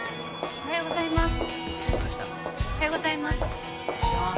おはようございます。